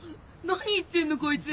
何言ってんのこいつ。